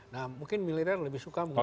nah mungkin militer lebih suka mungkin